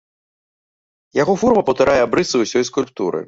Яго форма паўтарае абрысы ўсёй скульптуры.